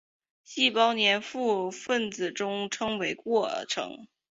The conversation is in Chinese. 细胞黏附分子中的称为的过程。